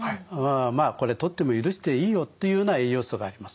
「まあこれとっても許していいよ」っていうような栄養素があります。